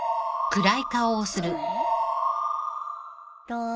どう？